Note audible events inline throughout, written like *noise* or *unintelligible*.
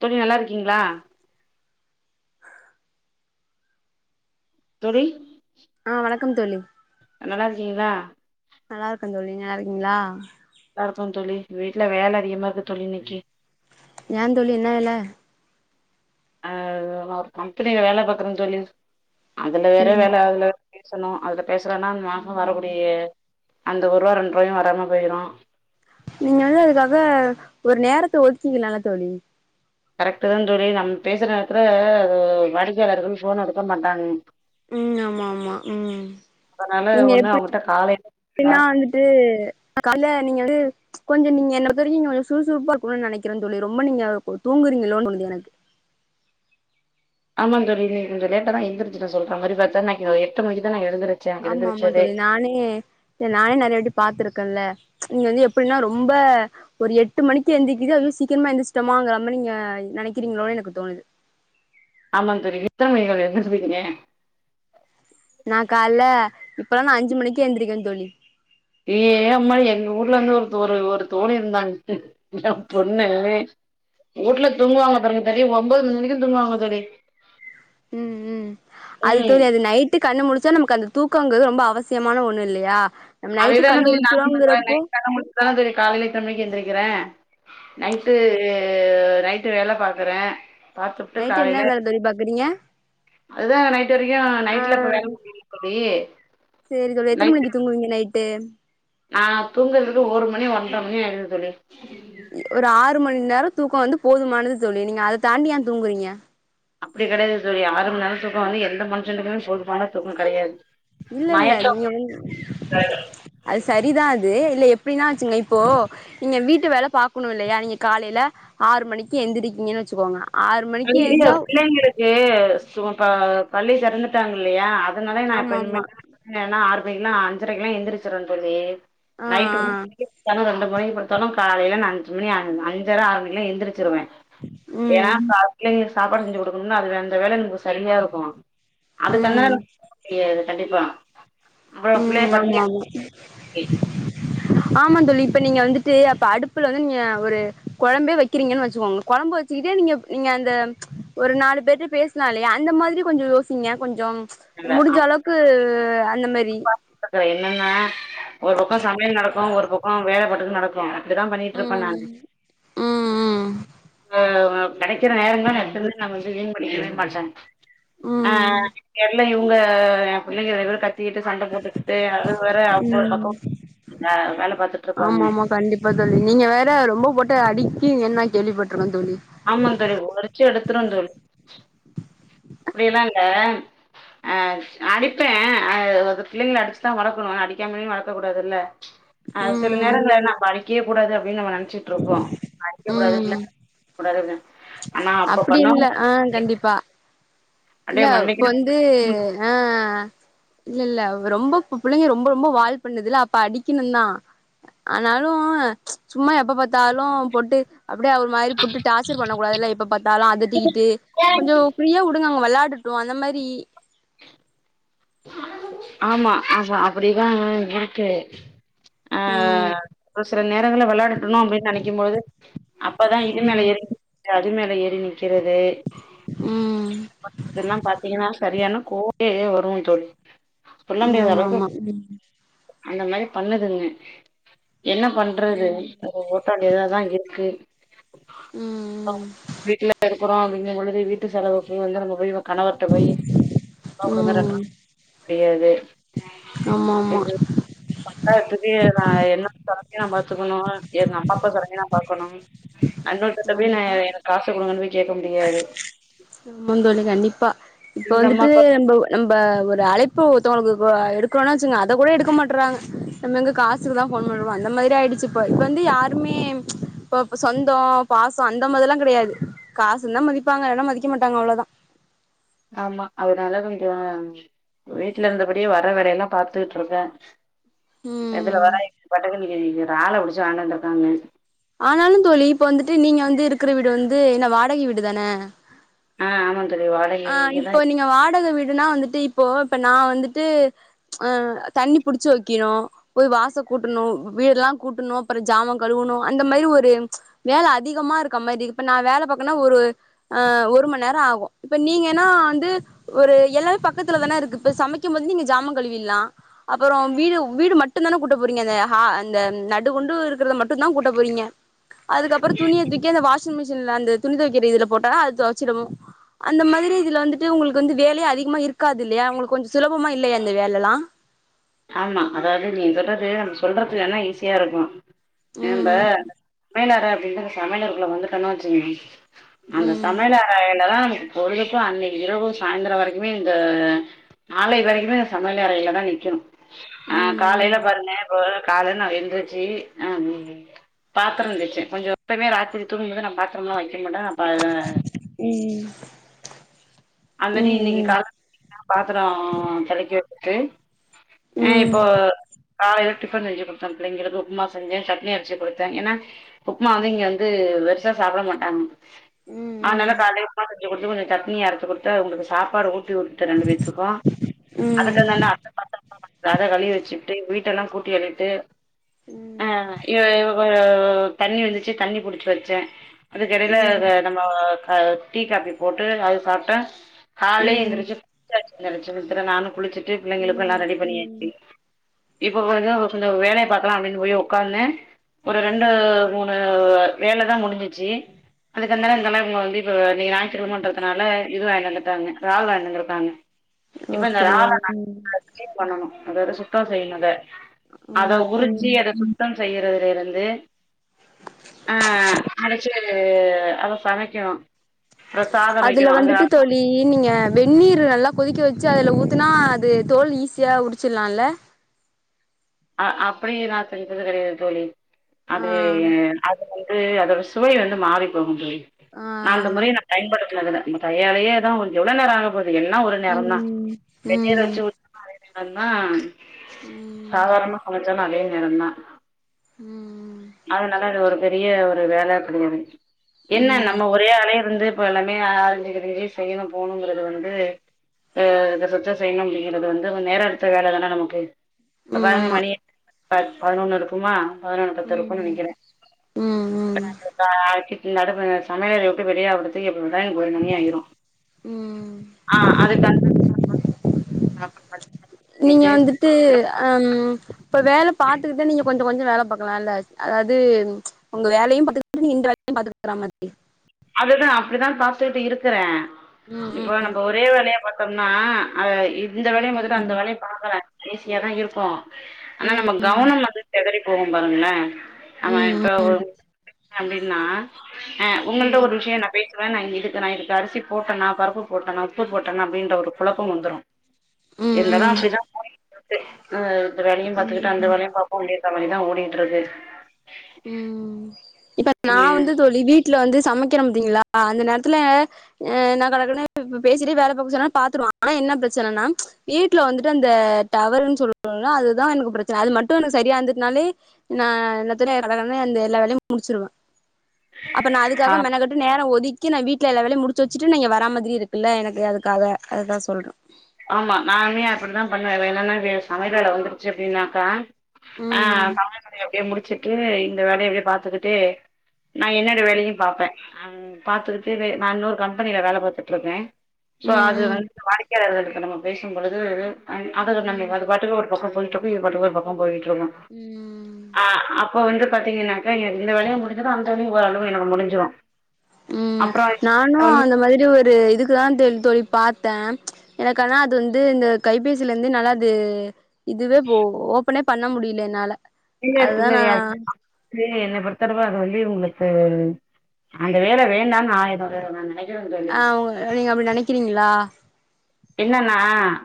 தோழி நல்லாருக்கீங்ளா தோழி ஆ வணக்கம் தோழி நல்லாருக்கீங்ளா நல்லாருக்க தோழி நல்லாருக்கீங்ளா நல்லாருக்கோ தோழி வீட்ல வேல அதிகமா இருக்கு தோழி இன்னைக்கு ஏன் தோழி என்ன வேல அ நா ஒரு கம்பெனில வேல பாக்குற தோழி அதுல வர ம் வேல அதுல பேசணு அதுல பேசலன்னா அந்த மாச ம் வரக்கூடிய அந்த ஒரு ரூவா ரெண்டு ரூவாயு வராம போய்ரு நீங்க வந்து அதுக்காக ஒரு நேரத்த ஒதுக்கிக்கலால தோழி கரெக்ட்தா தோழி நம்ம பேசுற நேத்துல வாடிக்கையாளர்கள் ஃபோன் எடுக்க மாட்டாங்க ம் ஆமா ஆமா ம் அதனால நீங்க ஒண்ணு எப் அவங்கட்ட காலை என்னா வந்துட்டு கால்ல நீங்க வந்து கொஞ்சோ நீங்க என்னோட பெர்மிங் ஓட சுறுசுறுப்பாருக்கனு தோழி ரொம்ப நீங்க தூங்குறீங்களோன் தோணுது எனக்கு ஆமா தோழி இன்னிக்கு கொஞ்சோ லேட்டாதா எந்துருச்சுட்ட சொல்ற மாரி பாத்தானாக்கு எட்டு மணிக்கு தா நா எழுந்துரு ஆமா ஆமா தோழி நானே இல்ல நானே நெறய வாட்டி பாத்துருக்கன்ல நீங்க வந்து எப்டின்னா ரொம்ப ஒரு எட்டு மணிக்கு எந்திக்கிது அது சீக்கிரமா எந்திச்சிட்டோமாங்கிற மாரி நீங்க நெனைக்கிறீங்களோன் எனக்கு தோணுது ஆமா தோழி மித்தம் எங்கள எந்துச்சு போய்ட்ருக்கே நா கால்ல இப்பல்லா நா அஞ்சு மணிக்கு எந்திருக்குற தோழி ஏ ஏன் அம்மா எங்க ஊர்ல இருந்து ஒரு ஒரு தோழி இருந்தாங்க என் பொண்ணு ஊட்ல தூங்குவாங்க பாருங்க தோழி ஒன்பது மணிவரைக்கு தூங்குவாங்க தோழி ம் ம் அது ம் தோழி அது நைட் டு கண்ணுமுழுச்சா நமக்கு அந்த தூக்கம்ங்கிறது ரொம்ப அவசியமான ஒன்னு இல்லயா அதே தான தோழி நானு பண்ற நைட் கண்ண முழிச்சி தான தோழி காலைல இத்தன மணிக்கு எந்திருக்கிற நைட்டு நைட்டு வேல பாக்குற பா்த்துபுட்டு நைட் காலைல என்ன வேல தோழி பாக்குறீங்க அதுதா நைட் வரைக்கு நைட்ல இப்ப வேல குடுத்துக்குரியே நீ இப்ப நீ சரி இதோட எத்தன மணிக்கு தூங்குவீங்க நைட்டு நானா தூங்குறதுக்கு ஒரு மணி ஒன்ற மணி ஆயிரு தோழி ஒரு ஆறு மணி நேர தூக்க வந்து போதுமானது தோழி நீங்க அத தாண்டியே தூங்குறீங்க அப்டி கெடையாது தோழி ஆறு மணி நேர தூக்க வந்து எந்த மனுஷனுக்குமே போதுமானா தூக்க கெடையாது இல்லல்ல நீங்க வந்து மயக்க அது சரிதா அது இல்ல எப்டின்னா வச்சுங்க இப்போ நீங்க வீட்டு வேல பாக்கணுல்லயா நீங்க காலைல ஆறு மணிக்கு எந்திரிக்கீங்கன்னு வச்சுக்கோங்க ஆறு மணிக்கு எந்ச்சா வேயர்ஸ் இப்ப பள்ளி தெறந்துட்டாங்க இல்லயா அதனால நா இப்ப ஆமா ஆமா இனிமேட் இல்லன்னா ஆறு மணிக்குல்லா அஞ்சரைக்குல்லா எந்திருச்சுருவா தோழி ஆ நைட்டு ஆ முட்டிக்கு பன்ரெண்டு மணிக்கு படு தோன காலைல நா அஞ்சு மணி அஞ்சர ஆறு மணிக்குலா எந்திரிச்சிருவே ம் ஏன்னா பிள்ளைகளுக்கு சாப்பாடு செஞ்சு குடுக்கணும்னா அது அந்த வேலை எனக்கு சரியாருக்கு அதுக்கன்னர ம் முடியாது கண்டிப்பா அப்புறோ பிள்ளைய ம் ஆமா பட்னியா மா இருக்க ஆமா தோழி இப்ப நீங்க வந்துட்டு அப்ப அடுப்புல வந்து நீங்க ஒரு கொழம்பே வக்கிறீங்கன் வச்சுக்கோங்க கொழம்பு இதே நீங்க நீங்க அந்த ஒரு நாலு பேர்ட்ட பேசனாலே அந்த மாத்ரி கொஞ்சோ யோசிங்க கொஞ்சொம் இல்ல முடிஞ்சளவுக்கு அந்த மாரி டக்கு என்னன்னா ஒரு பக்கோ சமையல் நடக்கு ஒரு பக்கோ வேல பாட்டுக்கு நடக்கு இப்டி தா பண்ணிட்ருப்பே ம் நானு ம் ஆ கெடைக்கிற நேரங்கள நா விட்டதுக்கு நா வந்து வீண் பண்ணிக்கவே மாட்டே ஆ ம் தெர்ல இவுங்க எ பிள்ளைங்க ரெண்டு பேரு க த்திட்டு சண்ட போட்டுக்கிட்டு அது வேற அவுங்க ஒரு பக்கோ ம் ஆ வேல பாத்துட்ருப்பாங்க இப்ப தோழி நீங்க வேற ரொம்ப போட்டு அடிக்கிங்கன்னு நா கேள்விப்பட்ருக்கே தோழி ஆமாந் தோழி உறுச்சு எடுத்துருவே தோழி அப்டியல்லா இல்ல ஆ அடிப்பே ஆ பிள்ளைங்கள அடிச்சுதா வளக்கணு அடிக்காமலயு வளக்க கூடாதுல்ல ஆ சில ம் நேரங்கள நம்ப அடிக்கவே கூடாது அப்டின் நம்ம நென ச்சுட்ருப்போ அடிக்ககூடாது ம் பிள்ள கூடாதுனு அப்பினு ஆனா அப்ப அப்டி இல்ல பண்ணுவாங்க ஆ கண்டிப்பா இல்ல இப்ப மண்டைக்கு வந்து ஆ இல்லெல்ல ரொம்ப புள்ளைங்க ரொம்ப ரொம்ப வால் பண்ணதுல்ல அப்ப அடிக்கணு தா ஆனாலு சும்மா எப்ப பாத்தாலு போட்டு அப்டியா ஒரு மாரி போட்டு டார்ச்சர் பண்ணக்கூடாதுல்ல எப்ப பாத்தாலு அதட்டிகிட்டு கொஞ்சோ ஃப்ரீயா அவுங்க வெளாடட்டு அந்த மாரி ஆமா ஆமா அப்டிதா இருக்கு ஆ ம் ஒரு சில நேரங்கள வெளயாடட்டுனா அப்டின் நெனைக்கும்போது அப்பதா இது மேல ம் ஏறி நிக்கிறது அது மேல ஏறி நிக்கிறது ம் பண்றதெல்லா பாத்தீங்கன்னா சரியான கோவமே வரு தோழி சொல்ல முடியாத ஆமா அளவுக்கு ஆமா அந்த மாரி பண்ணுதுங்க என்ன பண்றது ம் ஓ ஓட்ட வேண்டியதாதா இருக்கு ம் ம் வீட்ல இருக்குறோ அப்டிங்கம்பொழுது வீட்டு செலவுக்கு வந்து நம்ம போய் கணவர்ட்ட போய் ஒருவா குடுங்க ம் ரெண்ட்ருவா முடியாது ஆமா ஆமா இப்ப தாத்துக்கு நா என்னோட செலவையு நா பாத்துக்கணு எங்கம்மா அப்பா செலவையு நா பாக்கணு நன்னொருத்தட்ட போய் ஆமா நா எனக்கு காசு குடுங்கன் போய் கேக்க முடியாது ஆமாந் தோழி கண்டிப்பா இப்ப எங்க அம்மா வந்துட்டு அப்பா நம்ப நம்ப ஒரு அழைப்பு ஒருத்தோங்களுக்கு அ எடுக்றோனா வச்சுங்க அத கூட எடுக்க மாட்றாங்க நம்ம எங்க காசுக்குதா ஃபோன் பண்ணுவோ அந்த மாதிரி ஆய்டுச்சு இப்ப இப்ப வந்து யாருமே இப்பப்ப சொந்தோ பாசோ அந்த மாரில்லா கெடயாது காசு இருந்தா மதிப்பாங்க இல்லனா மதிக்க மாட்டாங்க அவ்ளதா ஆமா அதுனால கொஞ்சோ வீட்லருந்தபடியே வர வேலயெல்லா பாத்துக்கிட்ருக்கே இதுல ம் வர *inaudible* பாட்டுக்கு இன்னிக்கி றால புடிச்சு வாய்ன்ட்டு வந்துருக்காங்க ஆனாலு தோழி இப்ப வந்துட்டு நீங்க வந்து இருக்ற வீடு வந்து என்ன வாடகை வீடு தான ஆ ஆமாங் ஆ இப்போ நீங்க வாடக வீடுனா வந்துட்டு இப்போ இப்ப நா வந்துட்டு ஆ தண்ணி புடிச்சு வக்கினு போய் வாச கூட்டணு வீடெல்லா கூட்டணு அப்றோ ஜாமா கழுவணு அந்த மாரி ஒரு வேல அதிகமா இருக்க மாரி இப்ப நா வேல பாக்கனா ஒரு ஆ ஒரு மண் நேரோ ஆவு இப்ப நீங்கன்னா வந்து ஒரு எல்லாமே பக்கத்துலதான இருக்கு இப்ப சமைக்கும் போது நீங்க ஜாமா கழுவில்லா அப்பறோ வீடு வீடு மட்டுந்தான கூட்ட போறீங்க அந்த ஹா அந்த நடு கொண்டு இருக்கறத மட்டுந் தா கூட்ட போறீங்க அதுக்கப்பறோ துணிய தூக்கி அந்த வாஷிங் மிஷின்ல அந்த துணி தொவைக்கிற இதுல போட்டா அது தொவச்சுறும் அந்த மாதிரி இதுல வந்துட்டு உங்களுக்கு வந்து வேலயே அதிகமா இருக்காது இல்லயா உங்களுக்கு கொஞ்சொ சுலபமா இல்லயா அந்த வேலல்லா ஆமா அதாவது நீங்க சொல்றது நம்ம சொல்றதுக்கு வேனா ஈஸியா இருக்கு ஏன்ம்ப ம் சமையலற அப்டின்ற சமையலரக்குள்ள வந்துட்டனு வச்சுங்க அந்த ம் சமையலரேலதா பொழுதுக்கு அன்னக்கி இரவு சாய்ந்தரோ வரைக்குமே இந்த நாளை வரைக்குமே சமையல் அறையில தா நிக்கணு ம் காலேல பாருங்க இப்ப காலேல நா எந்துருச்சு அ பாத்தரோ தேச்சே கொஞ்சோ எப்பமே ராத்திரி தூங்கும் போது நா பாத்தரோல்லா வக்க மாட்டே அப்ப ஆஆ ம் ம் ஆல்ரெடி இன்னைக்கு ம் காலேல பாத்தரோ தொவைகரதுக்கு ஆ ம் ம் இப்போ காலேல டிஃபன் செஞ்சு குடுத்தே பிள்ளைங்களுக்கு உப்புமா செஞ்சே சட்னி அரச்சு குடுத்தே ஏனா உப்மா வந்து இங்க வந்து பெருசா சாப்ட மாட்டாங்க ம் அதுனால காலேல உப்மா செஞ்சு குடுத்து கொஞ்சோ சட்னி அரச்சு குடுத்து அவுங்களுக்கு சாப்பாடு ஊ ட்டி விட்டு ரெண்டு பேத்துக்கு அதுக்கு அந்த அந்த அந்த பாத்திரத்தையு ராக கழுவி வச்சு டு வீட்டல்லா கூட்டி அள்ளிட்டு ஆ இவ இப்ப தண்ணி வந்துச்சு தண்ணி புடுச்சு வச்சே அதுக்கெடேல ம் ஆ நம்ம ஆ டீ காப்பி போட்டு அது சாப்டே காலயே ம் எந்திரிச்சு *unintelligible* நானு குளுச்சுட்டு பிள்ளைங்களுக்கு எல்லா ம் ரெடி ம் பண்ணியாச்சு இப்ப கொஞ்சோ கொஞ்சோ வேலைய பாக்கலா அப்டின் போய் ஒக்காந்தே ஒரு ரெண்டு மூணு வேலதா முடுஞ்சிச்சு அதுக்கு அந்த அண்ணா இந்த மாரி இப்ப வந்து இன்னைக்கு நாயிற்றுக் கிழமன்றதுனால இது வாங்கிட்டு வந்து காங்க ரால் வாங்கிட்டு வந்திருக்காங்க இப்ப இந்த அப்டியா ரால ம் கிளீன் பண்ணனு அதோட சுத்தோ செய்யனு அத அத ஆமா ம் உருச்சு அத சு த்தம் செய்யறதுலயிருந்து ஆ அரச்சு அத சமைக்கணு அப்றோ சாதோ அதுல வைக்கணு அது வந்துட்டு ரசோ தோழி ழி நீங்க வெந்நீர் நல்லா கொதிக்க வச்சு அதுல ஊத்துனா அது தோல் ஈஸியா உறுச்சற்லால்ல அ அப்டி நா செஞ்சது கெடையாது தோழி அது ஆ அது வந்து அதோட சுவை வந்து மாறி போகு தோழி ஆ அந்த முறைய நா பயன்படுத்னது இல்ல நம்ம கையாலேயே தா கொஞ்சோ எவ்ளோ நேரோ ஆகப் போது எல்லா ஒரு நேரந் தா ம் வெந்நீர் ம் வச்சு ஊத்து அதை நேரந் தா ம் ம் சாதாரணமா சமைச்சாலு அதே நேரந் தா ம் ம் அதுனால அது ஒரு பெரிய ஒரு வேல கெடையாது என்ன ம் நம்ம ஒரே ஆளே இருந்து இப்ப எல்லாமே அலஞ்சுகிட்ருக்கு செய்யணு போகணுங்கறது வந்து ஆ இத சுத்தோ செய்யணு அப்டிங்கிறது வந்து கொஞ்சோ நேர எடுத்த வேலதான நமக்கு இப்ப பாருங்க ஆமா மணிய பத் பதனொன்னு இருக்குமா பதனொன்னு பத்து இருக்கு குனு ம் நெனைக்குறே ம் ம் அ ஆக்கிட்டு நடும சமையலறைய விட்டு வெளியாவறதுக்கு எப்டி பாத்தாலு எனக்கு ஒரு மணி ஆயிரு ம் ஆ அதுக்காகதாங் நீங்க வந்துட்டு திரும்ப அம் இப்ப வேல பாத்துக்கிட்டே நீங்க கொஞ்சோ கொஞ்சோ வேல பாக்கலால்ல அதாவது உங்க வேலயு பாத்துட்டு நீ இந்த வேலயு பாத்துக்கற மாரி அதுதா அப்டிதா பாத்துக்கிட்டு இருக்கிறே ம் ம் இப்போ நம்போ ஒரே வேலய பாத் பண்ணா அ இந்த வேலயு பாத்துட்டு ம் அந்த வேலயு பாக்கலா ஈஸியா தா இருக்கு ஆனா ம் நம்ம கவனம் வந்து சிதறி போகும் பாருங்களே ஆமா ம் இப்ப ஒ அப்டின்னா ஆ உங்கள்ட்ட ம் ஒரு விஷய ஏ நான் பேசுவே நா இதுக்கு நா இதுக்கு அரிசி போட்டனா பருப்பு போட்டனா உப்பு போட்டனா அப்டின்ற ஒரு கொழப்பம் வந்துரு ம் என்ட தா *unintelligible* இந்த வேலையு ம் பாத்துக்கிட்டு அந்த ம் வேலையு பாப்போ முடியருதா மாறி தா ஓடிட்டு இருக்கு ம் இப்ப நா ம் வந்து தோழி வீட் ட்ல வந்து சமக்கிற பாத்தீங்களா அந்த நேரத்துல ஆ நா கடகடன்னு பேசிட்டே வேல பாப்போ சொன்னா நா பாத்துடுவே ஆனா என்ன பிரச்சனனா வீட்ல வந்துட்டு அந்த டவருன்னு சொல்றோம்ல அதுதா எனக்கு பிரச்சன அது மட்டும் எனக்கு சரியா இருந்துதுனாலே நான் எல்லாத்துலயு *unintelligible* எல்லா வேலயு முடிச்சிருவே அப்ப நா ஆ அதுக்காக மெனக்கெ நேரம் ஒதுக்கி நா வீட்ல எல்லா வேலயு முடிச்சு வச்சுட்டு நா இங்க வர்ற மாதிரி இருக்குல்ல எனக்கு அதுக்காக அதுதா சொல்றே ஆமா நானுமே அப்டித்தா பண்ணுவே வேணும்னா வே சமையல் வேல வந்துருச்சு அப்டின்னாக்கா ஆ ம் சமையல் வேலய எப்டியே முடிச்சுட்டு இந்த வேலய அப்டியே பாத்துக்கிட்டே நா என்னோட வேலயு பாப்பே பாத்துக்கிட்டே வே நா இன்னொரு கம்பெனில வேல பாத்துட்டு இருக்கே சோ அது ம் வந்து வாடிக்கையாளர்களுக்கு நம்ம பேசும் பொழுது அது ம் ம் நம்ம அது பாட்டுக்கு ஒரு பக்கம் போயிட்டு இருக்கு இது பாட்டுக்கு ஒரு பக்கம் போயிட்டு இருக்கு ம் ஆ அப்போ வந்து பாத்தீங்கனாக்கா எ இந்த வேலயும் முடிஞ்சுரு அந்த வேலயும் ஓரளவு எனக்கு முடிஞ்சுரு ம் நானு அந்த மாதிரி ஒரு இதுக் *unintelligible* தோழி பாத்தே எனக்கு ஆனா அது வந்து இந்த கைபேசில இருந்து என்னால அது இதுவே போ ஓபனே பண்ண முடில என்னால அதுதா நா சீனியரிட்டி *inaudible* என்னை பொறுத்தவர அது வந்து உங்களுக்கு அந்த வேல வேண்டானு நா ஏதோ ஒரு நா நினைக் ஆ உங்க நீங்க அப்டி நினைக்கிறீங்களா என்னனா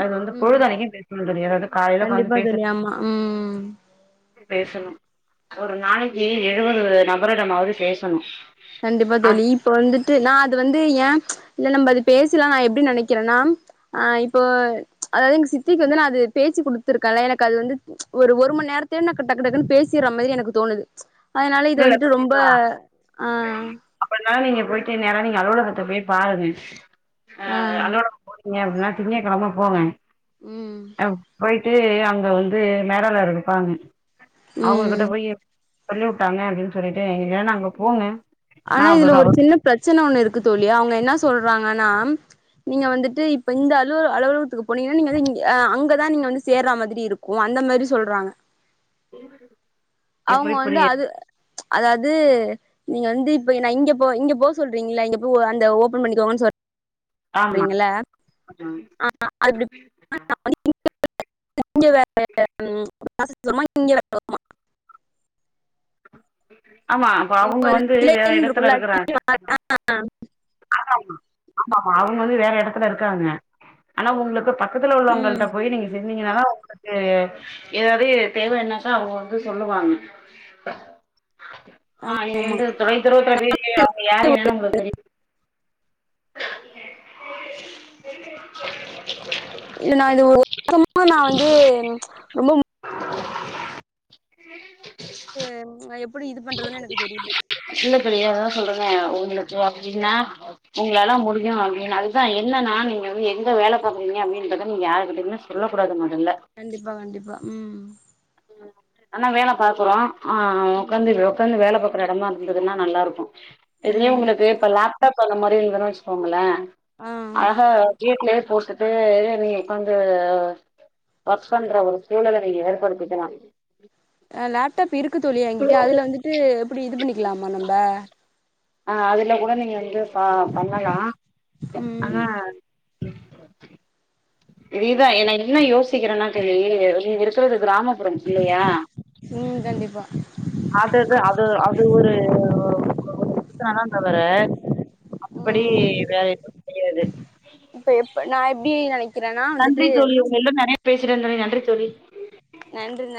அது வந்து ம் பொழுதனைக்கு பேசணும் சரியா அதுவு காலைல ஒக்காந்து கண்டிப்பா பேசுற தோழி ஆமா ம் பேசணு ஒரு நளைக்கு எழுவது நபரிடமாவது பேசணு கண்டிப்பா அது தோழி இ இப்ப வந்துட்டு நா அது வந்து ஏ இல்ல நம்ப அது பேசிடலா நா ஏப்டி நெனைக்கிறேன்னா ஆ இப்போ அதாவது எங்க சித்திக்கு வந்து நா அது பேசி குடுத்துருக்கேன்ல எனக்கு அது வந்து ஒரு ஒரு மண் நேர தே எனக்கு டக்கு டக்குன்னு பேசிற மாதிரி எனக்கு தோணுது அதனால இது வந்துட்டு ரொம்ப ஆ அப்பனா நீங்க போயிட்டு நேரா நீங்க அலுவலகத்த போய் பாருங்க ஆ அலுவலகம் போனீங்க அப்டினா திங்கக்கிழம போங்க ம் அ போய் து அங்க வந்து மேலாளர் இருப்பாங்க அவங்ககிட்ட போய் சொல்லி டானே அப்டின்னு சொல்லிட்டு ஏனா நாங் ஆனா இதுல ஒரு சின்ன பிரச்சன ஒண்ணு இருக்கு தோழி அவங்க என்ன சொல்றாங்கன்னா நீங்க வந்துட்டு இப்ப இந்த அலுவலக அலுவலகத்துக்கு போனீங்கன்னா நீங்க வந்து இங்க அ அங்கதா நீங்க வந்து சேர்ற மாதிரி இருக்கு அந்த மாதிரி சொல்றாங்க எப்டி அவுங்க வந்து புரியது அது அதாது நீங்க வந்து இப்ப என்ன இங்க போ இங்க போ சொல்றீங்ள இங்க பு அந்த ஓபன் பண்ணிக்கோங்கன்னு சொ ஆமா றிங்கள ம் ஆ அது அப்டி *unintelligible* *inaudible* ஆமா அப்ப அவுங்க வந்து வேற கிளைன்னு எடத்துல இருக்குல்ல இருக்கறாங் ஆதாயமா ஆமாமா அவுங்க வந்து வேற எடத்துல இருக்காங்க ஆனா உங்ளுக்கு ப க்கத்துல ம் உள்ளவங்கள்ட்ட போய் நீங்க செ ஞ்சிங்கனாலே உங்குளுக்கு எதாவது தேவை இன்னாக்கா அவுங்க வந்து சொல்லுவாங்க. ஆ ஆமா நீங்க வந்து தொலை தூரவத்துல போய்ருவிங்க யா யாரு என்னனு உங்குளுக்கு தெரி *inaudible* இது நா இது *inaudible* நா வந்து ரொம்போ *inaudible* ட்டும் அ எப்பிடி இது பண்றதுனு எனக்கு தெரில. சின்ன பிள்ளையா அதா சொல்றனே உங்குளுக்கு அப்டின்னா உங்ளால முடியு அப்டின் அதுதா என்னனா நீங்க வந் எங்க வேல பாக்கறீங்க அப்டின்றத நீங்க யாருகிட்டயிமே ஸ் சொல்ல கூடாது மொதல்ல. கண்டிப்பா கண்டிப்பா ம். ஆனா வேல பாக்குறோ ஆ ம் உக்காந்தி ப்ரோக் க்காந்து வேல பாக்கற எடமா இருந்துதுன்னா நல்லாருக்கு. இதுலியே ம் உங்குளுக்கு இப்ப லேப் டாப் அந்தமாரி இருந்துதுனு வெச்சுக்கோங்களே ஆ அழகா வீட்லியே போட்டுட்டு நீங்க உக்காந்து ஒர்க் பண்ற ஒரு சூழல நீங்க ஏற்படுத்திகலா. அ லேப்டப் இருக்கு தோழி எங்கிட்ட அதில வந்துட்டு எப்டி இது பண்ணிக்கலாமா நம்ப. ஆ அதில கூட நீங்க வந்து பா பண்ணலா ம் ஆனா இதியதா என என்ன யோசிக்கிறன்னா தோழி இங்க இருக்கிறது கிராமப்புறம் இல்லையா? ம் கண்டிப்பா அது அது அது அது ஒரு ஒரு *inaudible* சனதா தவர மத்படி ம் வேற எது *inaudible* இப்ப எப்ப நா எப்டி நெனை நன்றி தோழி உங்க எல்லும் நறைய பேசிட்டே தோழி நன்றி தோழி. நன்றி ந